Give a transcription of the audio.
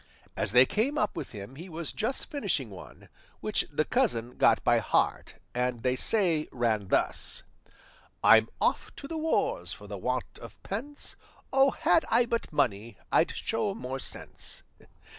As they came up with him he was just finishing one, which the cousin got by heart and they say ran thus I'm off to the wars For the want of pence, Oh, had I but money I'd show more sense.